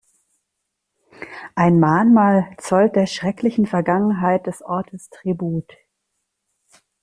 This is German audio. Ein Mahnmal zollt der schrecklichen Vergangenheit des Ortes Tribut.